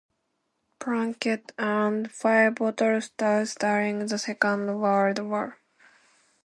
"Plunkett" earned five battle stars during the Second World War.